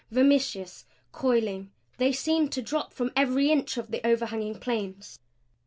Vermiceous, coiling, they seemed to drop from every inch of the overhanging planes.